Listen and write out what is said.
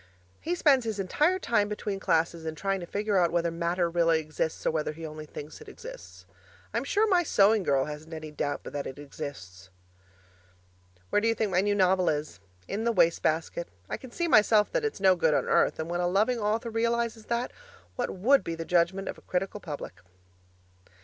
He spends his entire time between classes in trying to figure out whether matter really exists or whether he only thinks it exists. I'm sure my sewing girl hasn't any doubt but that it exists! Where do you think my new novel is? In the waste basket. I can see myself that it's no good on earth, and when a loving author realizes that, what WOULD be the judgment of a critical public?